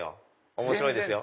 面白いですよ